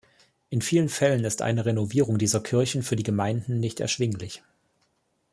In vielen Fällen ist eine Renovierung dieser Kirchen für die Gemeinden nicht erschwinglich.